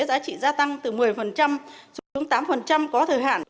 giá trị gia tăng từ một mươi xuống tám có thời hạn